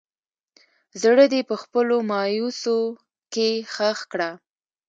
زړه دې په خپلو مايوسو کښې ښخ کړه